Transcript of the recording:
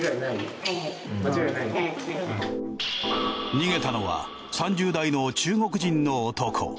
逃げたのは３０代の中国人の男。